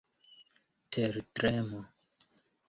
tertremo